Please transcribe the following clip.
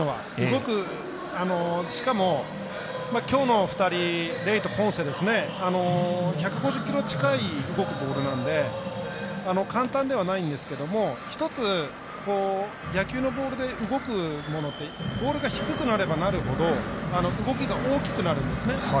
動く、しかもきょうの２人レイとポンセは１５０キロ近い動くボールなので簡単ではないんですけども１つ、野球のボールで動くものってボールが低くなればなるほど動きが大きくなるんですね。